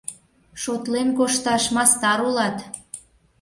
Шотлен кошташ мастар улат!..